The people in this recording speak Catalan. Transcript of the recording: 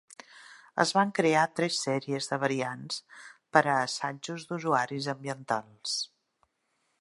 Es van crear tres sèries de variants per a "Assajos d'usuaris ambientals".